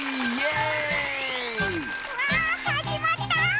うわーはじまった。